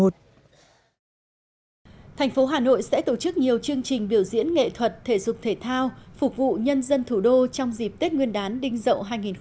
thành phố hà nội sẽ tổ chức nhiều chương trình biểu diễn nghệ thuật thể dục thể thao phục vụ nhân dân thủ đô trong dịp tết nguyên đán đinh dậu hai nghìn hai mươi